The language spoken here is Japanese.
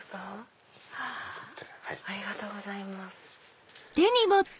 ありがとうございます。